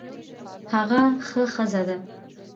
هغه ښه ښځه ده